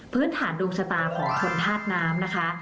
พื้นฐานดวงชะตาของคนธาตุน้ำนะคะ